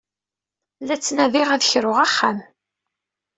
La ttnadiɣ ad kruɣ axxam.